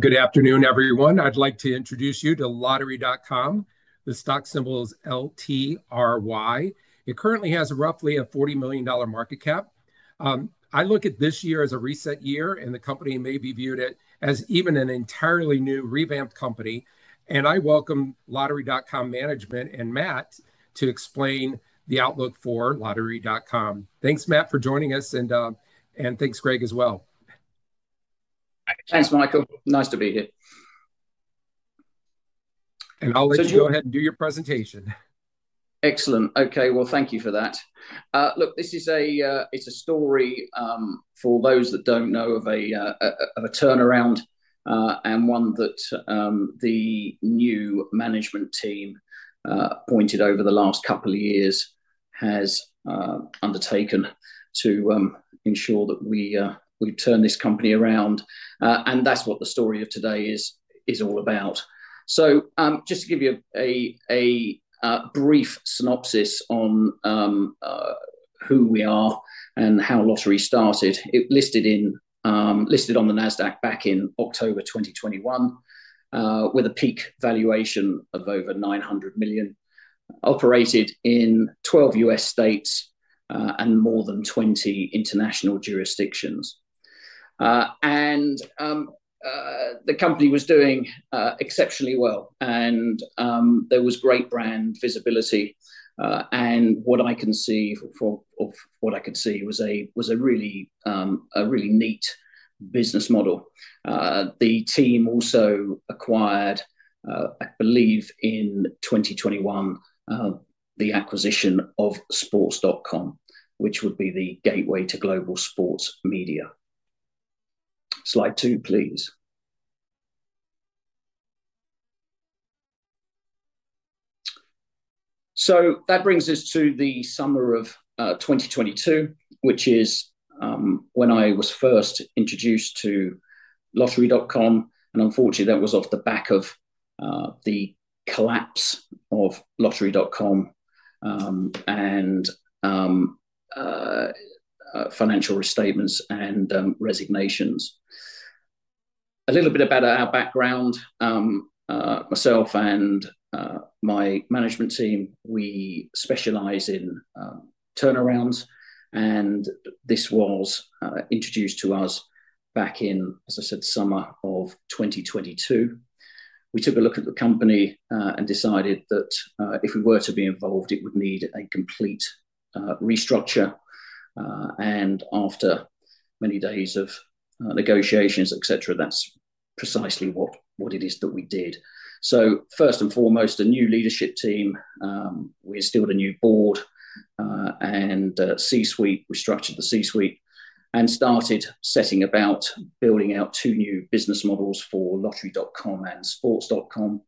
Good afternoon, everyone. I'd like to introduce you to Lottery.com. The stock symbol is LTRY. It currently has roughly a $40 million market cap. I look at this year as a reset year, and the company may be viewed as even an entirely new revamped company. I welcome Lottery.com management and Matt to explain the outlook for Lottery.com. Thanks, Matt, for joining us, and thanks, Greg, as well. Thanks, Michael. Nice to be here. I'll let you go ahead and do your presentation. Excellent. Okay, thank you for that. Look, this is a story for those that do not know of a turnaround and one that the new management team pointed out over the last couple of years has undertaken to ensure that we turn this company around. That is what the story of today is all about. Just to give you a brief synopsis on who we are and how Lottery started, it listed on Nasdaq back in October 2021 with a peak valuation of over $900 million, operated in 12 U.S. states and more than 20 international jurisdictions. The company was doing exceptionally well, and there was great brand visibility. What I can see of what I could see was a really neat business model. The team also acquired, I believe, in 2021, the acquisition of Sports.com, which would be the gateway to global sports media. Slide two, please. That brings us to the summer of 2022, which is when I was first introduced to Lottery.com. Unfortunately, that was off the back of the collapse of Lottery.com and financial restatements and resignations. A little bit about our background: myself and my management team, we specialize in turnarounds. This was introduced to us back in, as I said, summer of 2022. We took a look at the company and decided that if we were to be involved, it would need a complete restructure. After many days of negotiations, etc., that's precisely what it is that we did. First and foremost, a new leadership team. We instilled a new board and C-suite. We structured the C-suite and started setting about building out two new business models for Lottery.com and Sports.com.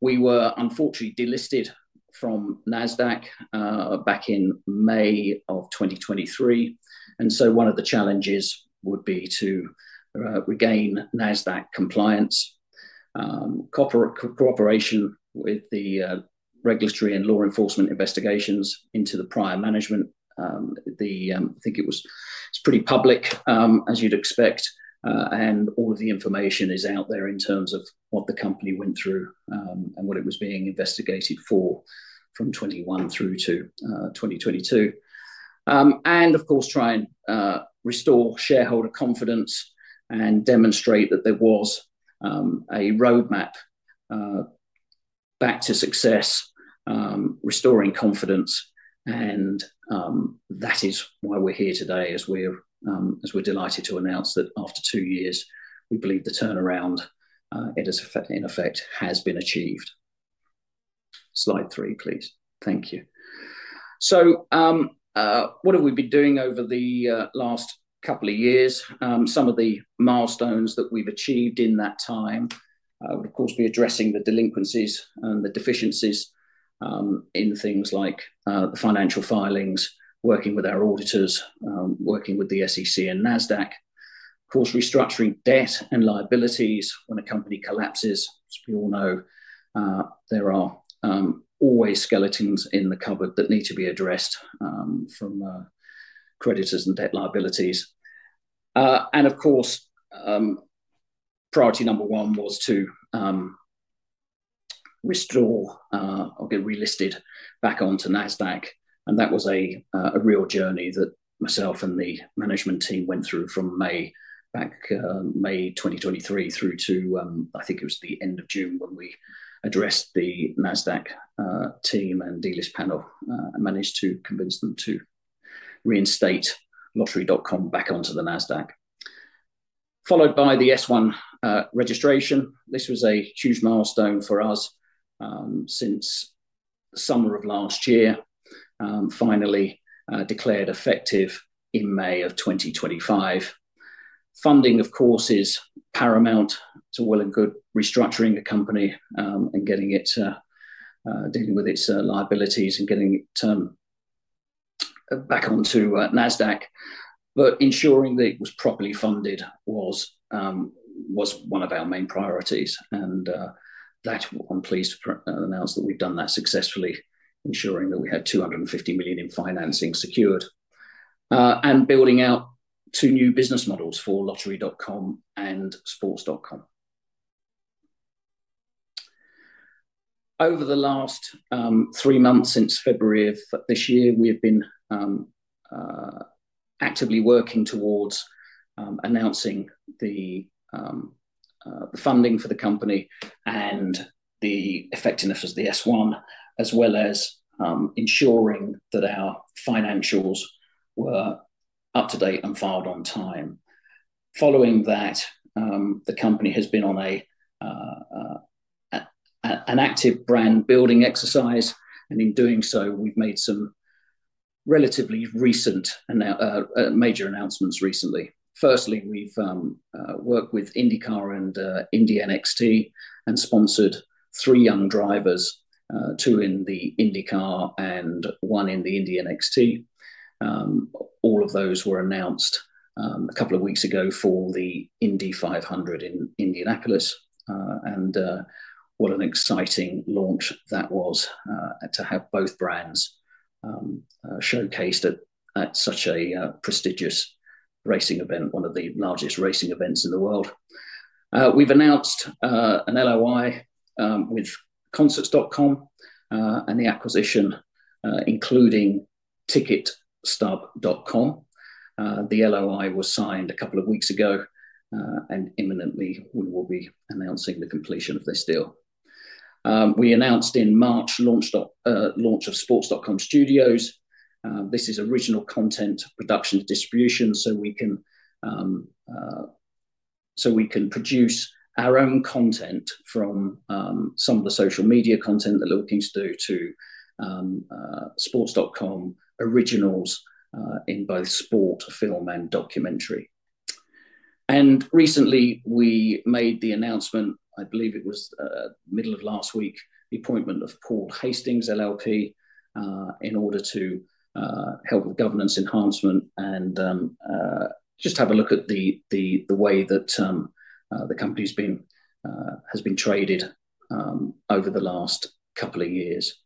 We were unfortunately delisted from Nasdaq back in May of 2023. One of the challenges would be to regain Nasdaq compliance, cooperation with the regulatory and law enforcement investigations into the prior management. I think it was pretty public, as you'd expect, and all of the information is out there in terms of what the company went through and what it was being investigated for from 2021 through to 2022. Of course, try and restore shareholder confidence and demonstrate that there was a roadmap back to success, restoring confidence. That is why we're here today, as we're delighted to announce that after two years, we believe the turnaround, in effect, has been achieved. Slide three, please. Thank you. What have we been doing over the last couple of years? Some of the milestones that we've achieved in that time, of course, we're addressing the delinquencies and the deficiencies in things like the financial filings, working with our auditors, working with the SEC and Nasdaq. Of course, restructuring debt and liabilities when a company collapses. As we all know, there are always skeletons in the cupboard that need to be addressed from creditors and debt liabilities. Priority number one was to restore or get relisted back onto Nasdaq. That was a real journey that myself and the management team went through from May 2023 through to, I think it was the end of June when we addressed the Nasdaq team and dealers panel and managed to convince them to reinstate Lottery.com back onto the Nasdaq. Followed by the S-1 registration. This was a huge milestone for us since summer of last year, finally declared effective in May of 2025. Funding, of course, is paramount to well and good restructuring the company and dealing with its liabilities and getting it back onto Nasdaq. Ensuring that it was properly funded was one of our main priorities. I am pleased to announce that we have done that successfully, ensuring that we had $250 million in financing secured and building out two new business models for Lottery.com and Sports.com. Over the last three months since February of this year, we have been actively working towards announcing the funding for the company and the effectiveness of the S-1, as well as ensuring that our financials were up to date and filed on time. Following that, the company has been on an active brand-building exercise. In doing so, we've made some relatively recent major announcements recently. Firstly, we've worked with INDYCAR and INDY NXT and sponsored three young drivers, two in the INDYCAR and one in the INDY NXT. All of those were announced a couple of weeks ago for the Indy 500 in Indianapolis. What an exciting launch that was to have both brands showcased at such a prestigious racing event, one of the largest racing events in the world. We've announced an LOI with Concerts.com and the acquisition, including TicketStub.com. The LOI was signed a couple of weeks ago, and imminently, we will be announcing the completion of this deal. We announced in March launch of Sports.com Studios. This is original content production distribution, so we can produce our own content from some of the social media content that little things do to Sports.com originals in both sport, film, and documentary. Recently, we made the announcement, I believe it was middle of last week, the appointment of Paul Hastings, LLP in order to help with governance enhancement and just have a look at the way that the company has been traded over the last couple of years.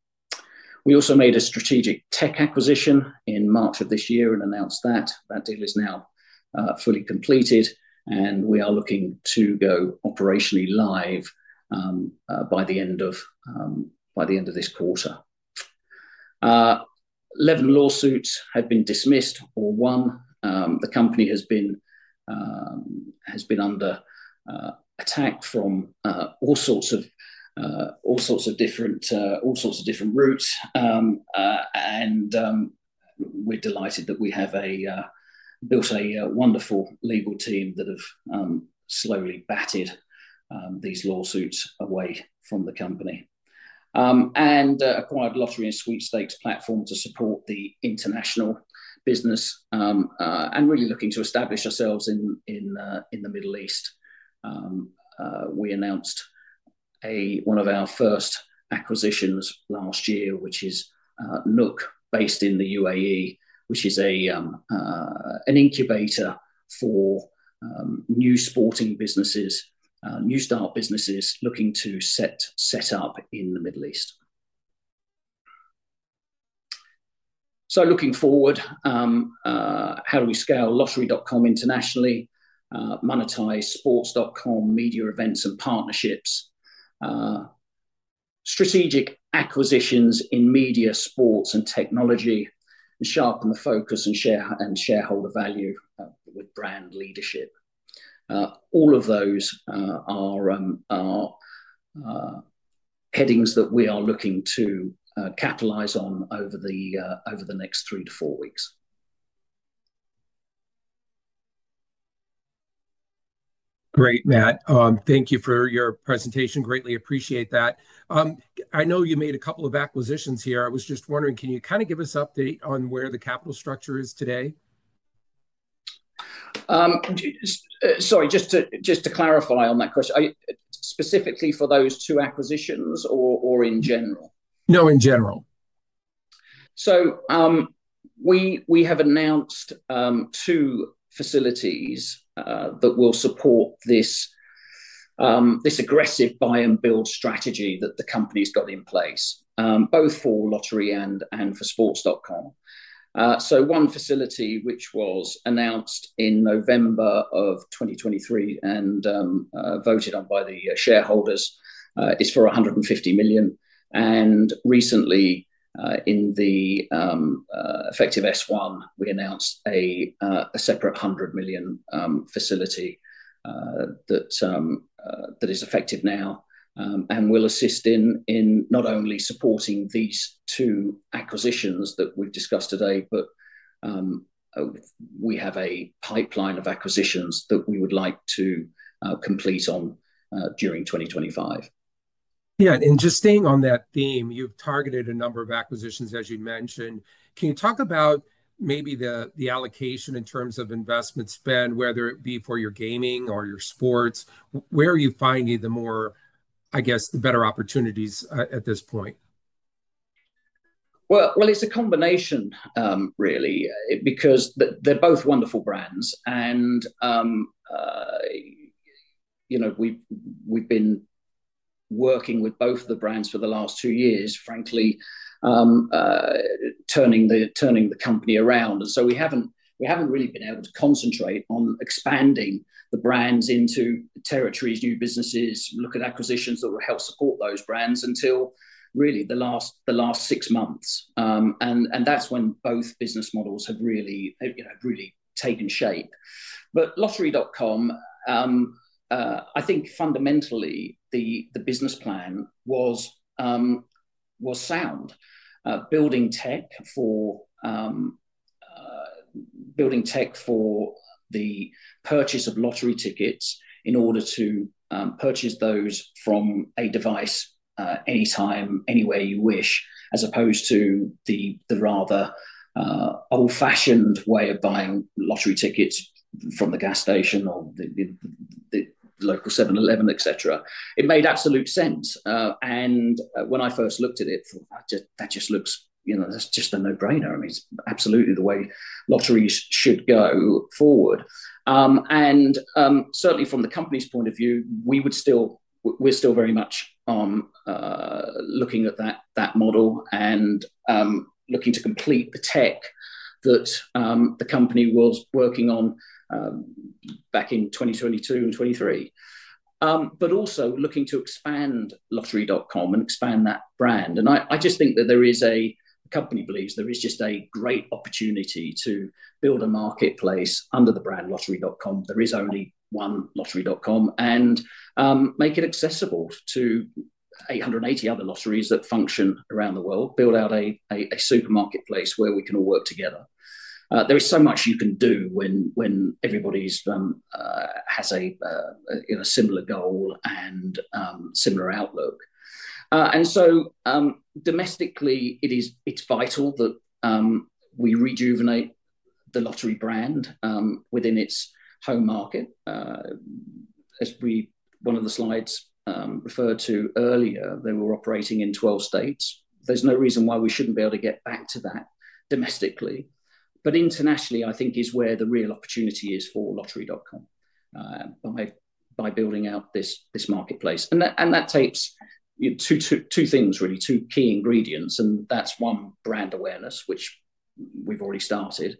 We also made a strategic tech acquisition in March of this year and announced that. That deal is now fully completed, and we are looking to go operationally live by the end of this quarter. 11 lawsuits had been dismissed or won. The company has been under attack from all sorts of different routes. We are delighted that we have built a wonderful legal team that have slowly batted these lawsuits away from the company and acquired Lottery and Sweepstakes platform to support the international business and really looking to establish ourselves in the Middle East. We announced one of our first acquisitions last year, which is Nook, based in the UAE, which is an incubator for new sporting businesses, new start businesses looking to set up in the Middle East. Looking forward, how do we scale Lottery.com internationally, monetize Sports.com, media events, and partnerships, strategic acquisitions in media, sports, and technology, and sharpen the focus and shareholder value with brand leadership? All of those are headings that we are looking to catalyze on over the next three to four weeks. Great, Matt. Thank you for your presentation. Greatly appreciate that. I know you made a couple of acquisitions here. I was just wondering, can you kind of give us an update on where the capital structure is today? Sorry, just to clarify on that question, specifically for those two acquisitions or in general? No, in general. We have announced two facilities that will support this aggressive buy-and-build strategy that the company's got in place, both for Lottery and for Sports.com. One facility, which was announced in November of 2023 and voted on by the shareholders, is for $150 million. Recently, in the effective S-1, we announced a separate $100 million facility that is effective now and will assist in not only supporting these two acquisitions that we've discussed today, but we have a pipeline of acquisitions that we would like to complete on during 2025. Yeah. Just staying on that theme, you've targeted a number of acquisitions, as you mentioned. Can you talk about maybe the allocation in terms of investment spend, whether it be for your gaming or your sports? Where are you finding the more, I guess, the better opportunities at this point? It is a combination, really, because they are both wonderful brands. We have been working with both of the brands for the last two years, frankly, turning the company around. We have not really been able to concentrate on expanding the brands into territories, new businesses, look at acquisitions that will help support those brands until really the last six months. That is when both business models have really taken shape. Lottery.com, I think fundamentally, the business plan was sound, building tech for the purchase of lottery tickets in order to purchase those from a device anytime, anywhere you wish, as opposed to the rather old-fashioned way of buying lottery tickets from the gas station or the local 7-Eleven, etc. It made absolute sense. When I first looked at it, that just looks—that is just a no-brainer. I mean, it is absolutely the way lotteries should go forward. Certainly, from the company's point of view, we're still very much looking at that model and looking to complete the tech that the company was working on back in 2022 and 2023, but also looking to expand Lottery.com and expand that brand. I just think that there is a—the company believes there is just a great opportunity to build a marketplace under the brand Lottery.com. There is only one Lottery.com and make it accessible to 880 other lotteries that function around the world, build out a supermarketplace where we can all work together. There is so much you can do when everybody has a similar goal and similar outlook. Domestically, it's vital that we rejuvenate the lottery brand within its home market. As one of the slides referred to earlier, they were operating in 12 states. There's no reason why we shouldn't be able to get back to that domestically. Internationally, I think, is where the real opportunity is for Lottery.com by building out this marketplace. That takes two things, really, two key ingredients. That's one, brand awareness, which we've already started.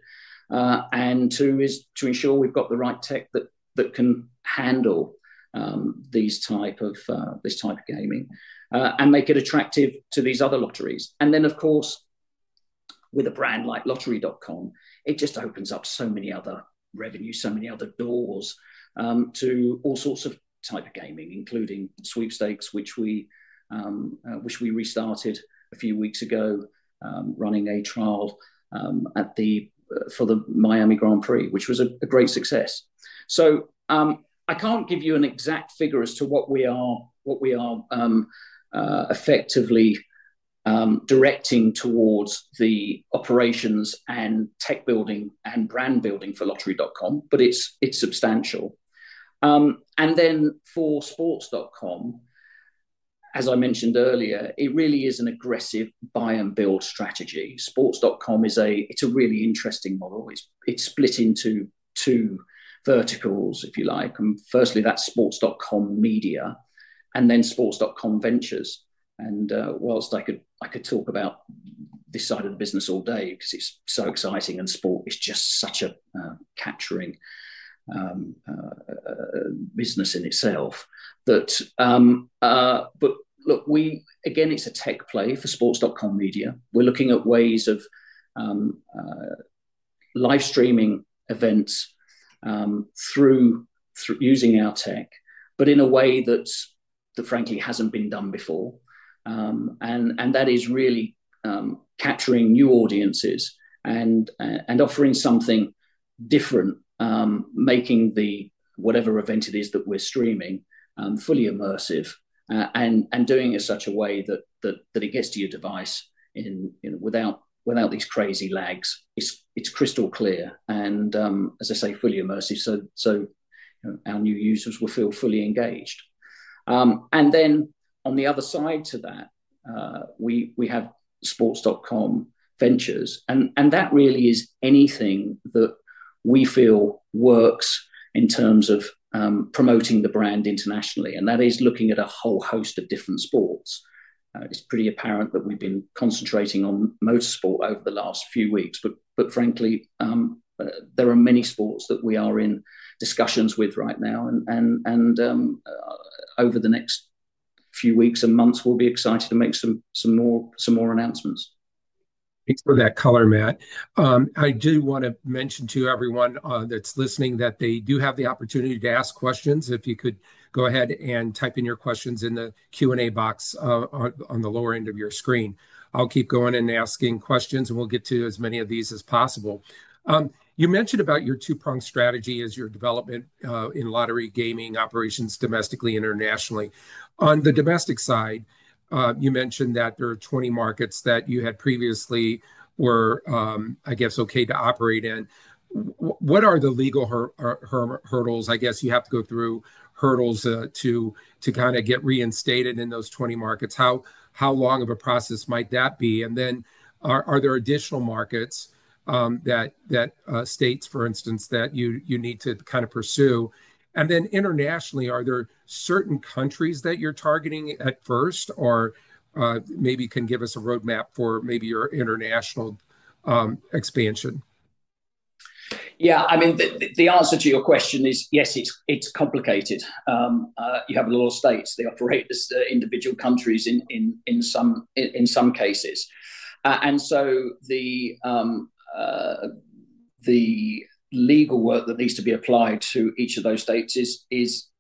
Two is to ensure we've got the right tech that can handle this type of gaming and make it attractive to these other lotteries. Of course, with a brand like Lottery.com, it just opens up so many other revenues, so many other doors to all sorts of types of gaming, including Sweepstakes, which we restarted a few weeks ago, running a trial for the Miami Grand Prix, which was a great success. I can't give you an exact figure as to what we are effectively directing towards the operations and tech building and brand building for Lottery.com, but it's substantial. For Sports.com, as I mentioned earlier, it really is an aggressive buy-and-build strategy. Sports.com, it's a really interesting model. It's split into two verticals, if you like. Firstly, that's Sports.com Media and then Sports.com Ventures. Whilst I could talk about this side of the business all day because it's so exciting and sport is just such a capturing business in itself, look, again, it's a tech play for Sports.com Media. We're looking at ways of live streaming events through using our tech, but in a way that, frankly, hasn't been done before. That is really capturing new audiences and offering something different, making whatever event it is that we're streaming fully immersive and doing it in such a way that it gets to your device without these crazy lags. It's crystal clear. As I say, fully immersive so our new users will feel fully engaged. On the other side to that, we have Sports.com Ventures. That really is anything that we feel works in terms of promoting the brand internationally. That is looking at a whole host of different sports. It's pretty apparent that we've been concentrating on motorsport over the last few weeks. Frankly, there are many sports that we are in discussions with right now. Over the next few weeks and months, we'll be excited to make some more announcements. Thanks for that color, Matt. I do want to mention to everyone that's listening that they do have the opportunity to ask questions. If you could go ahead and type in your questions in the Q&A box on the lower end of your screen. I'll keep going and asking questions, and we'll get to as many of these as possible. You mentioned about your two-pronged strategy as your development in lottery gaming operations domestically and internationally. On the domestic side, you mentioned that there are 20 markets that you had previously were, I guess, okay to operate in. What are the legal hurdles? I guess you have to go through hurdles to kind of get reinstated in those 20 markets. How long of a process might that be? And then are there additional markets that states, for instance, that you need to kind of pursue? Internationally, are there certain countries that you're targeting at first or maybe can give us a roadmap for maybe your international expansion? Yeah. I mean, the answer to your question is, yes, it's complicated. You have a lot of states. They operate as individual countries in some cases. The legal work that needs to be applied to each of those states, it's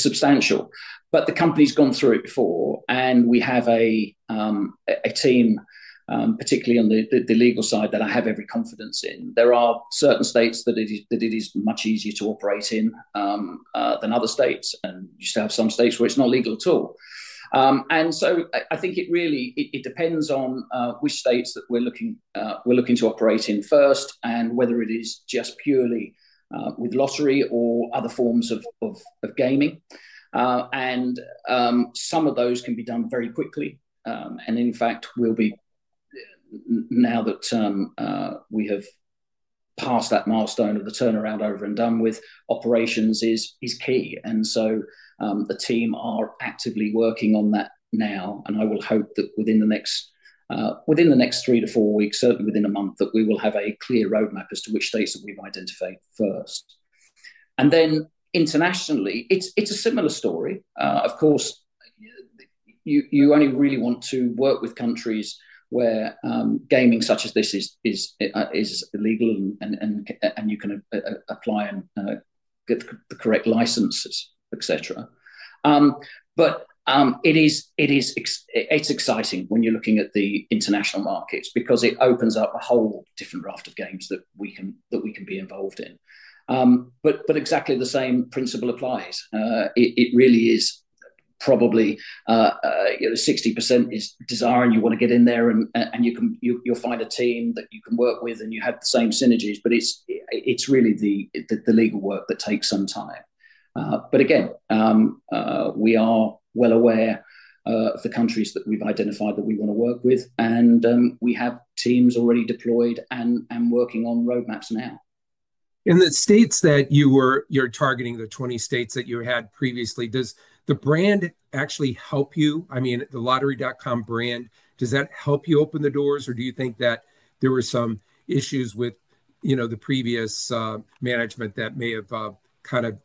substantial. The company's gone through it before, and we have a team, particularly on the legal side, that I have every confidence in. There are certain states that it is much easier to operate in than other states. You still have some states where it's not legal at all. I think it really depends on which states that we're looking to operate in first and whether it is just purely with lottery or other forms of gaming. Some of those can be done very quickly. In fact, now that we have passed that milestone of the turnaround over and done with, operations is key. The team are actively working on that now. I will hope that within the next three to four weeks, certainly within a month, we will have a clear roadmap as to which states that we've identified first. Internationally, it's a similar story. Of course, you only really want to work with countries where gaming such as this is legal and you can apply and get the correct licenses, etc. It's exciting when you're looking at the international markets because it opens up a whole different raft of games that we can be involved in. Exactly the same principle applies. It really is probably 60% is desiring you want to get in there, and you'll find a team that you can work with, and you have the same synergies. It is really the legal work that takes some time. Again, we are well aware of the countries that we've identified that we want to work with, and we have teams already deployed and working on roadmaps now. In the states that you're targeting, the 20 states that you had previously, does the brand actually help you? I mean, the Lottery.com brand, does that help you open the doors, or do you think that there were some issues with the previous management that may have kind of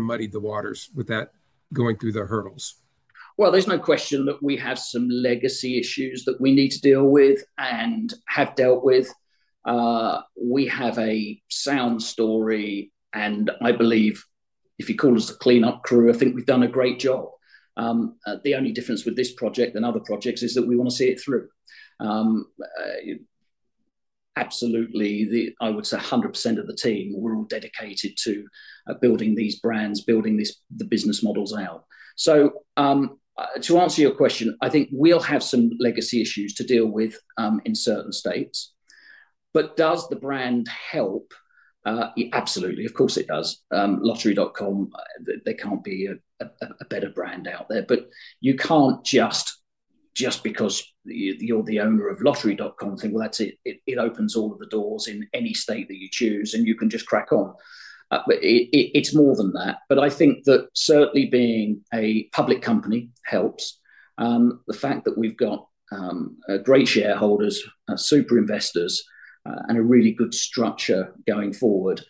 muddied the waters with that going through the hurdles? There is no question that we have some legacy issues that we need to deal with and have dealt with. We have a sound story. I believe if you call us the cleanup crew, I think we have done a great job. The only difference with this project and other projects is that we want to see it through. Absolutely, I would say 100% of the team, we are all dedicated to building these brands, building the business models out. To answer your question, I think we will have some legacy issues to deal with in certain states. Does the brand help? Absolutely. Of course, it does. Lottery.com, there cannot be a better brand out there. You cannot just because you are the owner of Lottery.com and think, "That is it." It opens all of the doors in any state that you choose, and you can just crack on. It's more than that. I think that certainly being a public company helps. The fact that we've got great shareholders, super investors, and a really good structure going forward,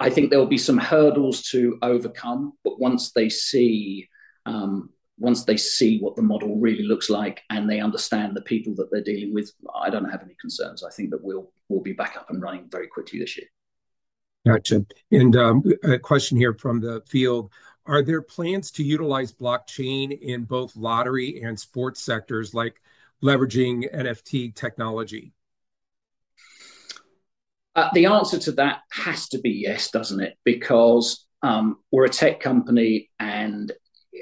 I think there will be some hurdles to overcome. Once they see what the model really looks like and they understand the people that they're dealing with, I don't have any concerns. I think that we'll be back up and running very quickly this year. Gotcha. A question here from the field. Are there plans to utilize blockchain in both lottery and sports sectors, like leveraging NFT technology? The answer to that has to be yes, does it not? Because we are a tech company, and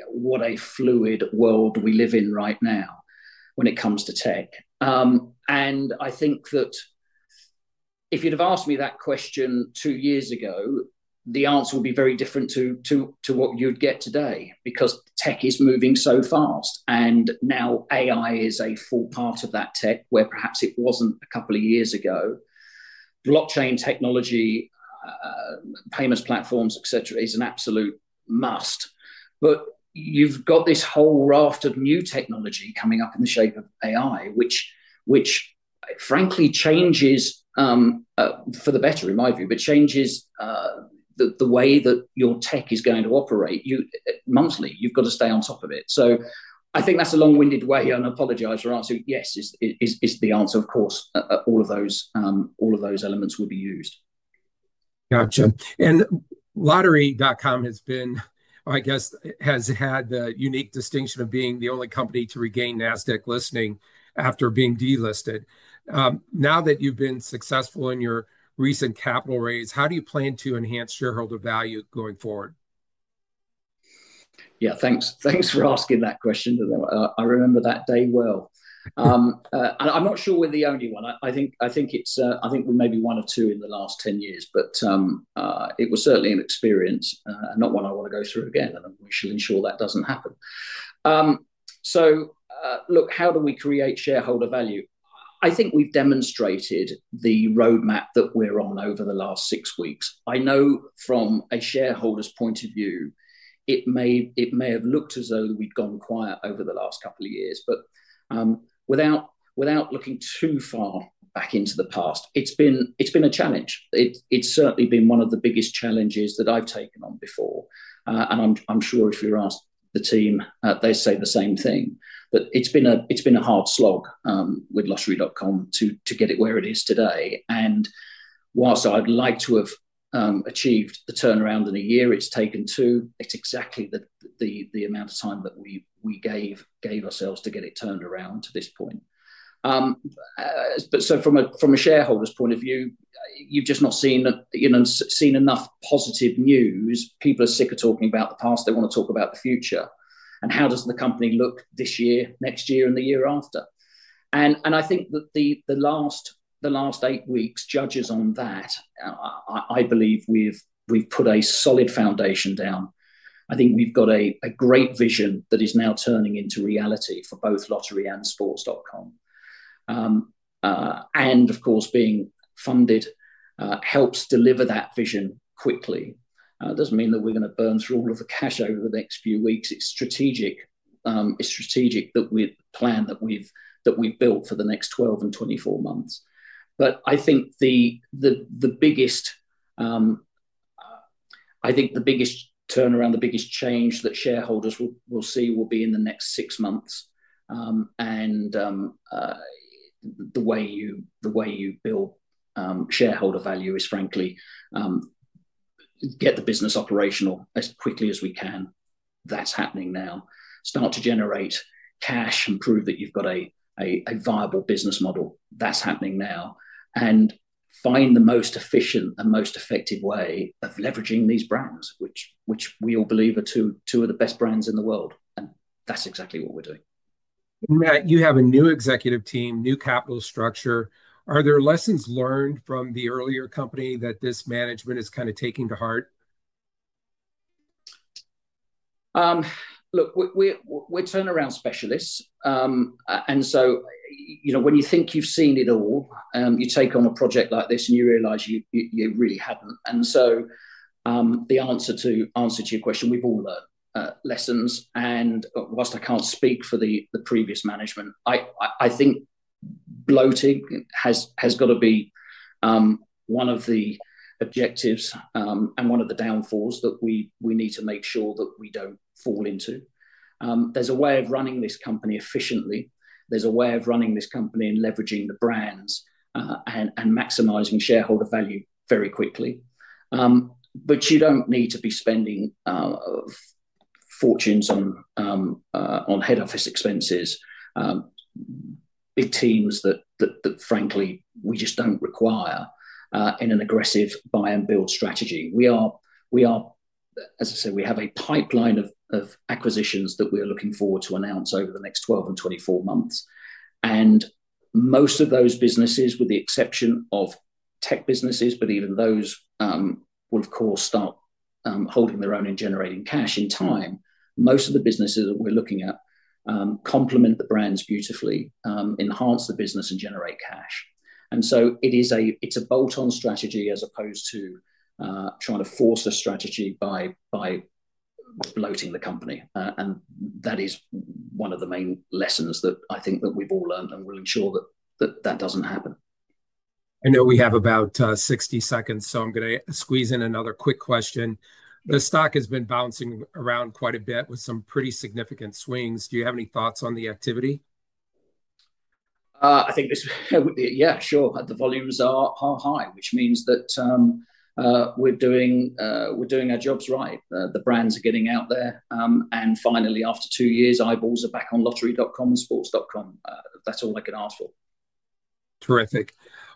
what a fluid world we live in right now when it comes to tech. I think that if you had asked me that question two years ago, the answer would be very different to what you would get today because tech is moving so fast. Now AI is a full part of that tech where perhaps it was not a couple of years ago. Blockchain technology, payment platforms, etc., is an absolute must. You have this whole raft of new technology coming up in the shape of AI, which, frankly, changes for the better, in my view, but changes the way that your tech is going to operate. Monthly, you have to stay on top of it. I think that is a long-winded way, and I apologize for answering yes is the answer. Of course, all of those elements will be used. Gotcha. Lottery.com has been, or I guess has had the unique distinction of being the only company to regain Nasdaq listing after being delisted. Now that you've been successful in your recent capital raise, how do you plan to enhance shareholder value going forward? Yeah, thanks for asking that question. I remember that day well. I'm not sure we're the only one. I think we're maybe one or two in the last 10 years, but it was certainly an experience, not one I want to go through again. We shall ensure that doesn't happen. Look, how do we create shareholder value? I think we've demonstrated the roadmap that we're on over the last six weeks. I know from a shareholder's point of view, it may have looked as though we'd gone quiet over the last couple of years. Without looking too far back into the past, it's been a challenge. It's certainly been one of the biggest challenges that I've taken on before. I'm sure if you ask the team, they say the same thing, that it's been a hard slog with Lottery.com to get it where it is today. Whilst I'd like to have achieved the turnaround in a year, it's taken two. It's exactly the amount of time that we gave ourselves to get it turned around to this point. From a shareholder's point of view, you've just not seen enough positive news. People are sick of talking about the past. They want to talk about the future. How does the company look this year, next year, and the year after? I think that the last eight weeks judges on that. I believe we've put a solid foundation down. I think we've got a great vision that is now turning into reality for both Lottery and Sports.com. Of course, being funded helps deliver that vision quickly. It does not mean that we are going to burn through all of the cash over the next few weeks. It is strategic that we plan, that we have built for the next 12 months and 24 months. I think the biggest turnaround, the biggest change that shareholders will see will be in the next six months. The way you build shareholder value is, frankly, get the business operational as quickly as we can. That is happening now. Start to generate cash and prove that you have got a viable business model. That is happening now. Find the most efficient and most effective way of leveraging these brands, which we all believe are two of the best brands in the world. That is exactly what we are doing. You have a new executive team, new capital structure. Are there lessons learned from the earlier company that this management is kind of taking to heart? Look, we're turnaround specialists. And so when you think you've seen it all, you take on a project like this and you realize you really haven't. And so the answer to your question, we've all learned lessons. And whilst I can't speak for the previous management, I think bloating has got to be one of the objectives and one of the downfalls that we need to make sure that we don't fall into. There's a way of running this company efficiently. There's a way of running this company and leveraging the brands and maximizing shareholder value very quickly. But you don't need to be spending fortunes on head office expenses, big teams that, frankly, we just don't require in an aggressive buy-and-build strategy. As I say, we have a pipeline of acquisitions that we are looking forward to announce over the next 12 months and 24 months. Most of those businesses, with the exception of tech businesses, but even those will, of course, start holding their own and generating cash in time. Most of the businesses that we're looking at complement the brands beautifully, enhance the business, and generate cash. It is a bolt-on strategy as opposed to trying to force a strategy by bloating the company. That is one of the main lessons that I think that we've all learned and will ensure that that doesn't happen. I know we have about 60 seconds, so I'm going to squeeze in another quick question. The stock has been bouncing around quite a bit with some pretty significant swings. Do you have any thoughts on the activity? I think, yeah, sure. The volumes are high, which means that we're doing our jobs right. The brands are getting out there. Finally, after two years, eyeballs are back on Lottery.com and Sports.com. That's all I can ask for. Terrific.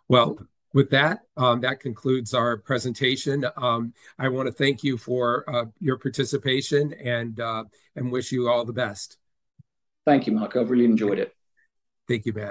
With that, that concludes our presentation. I want to thank you for your participation and wish you all the best. Thank you, Mark. I've really enjoyed it. Thank you, Matt.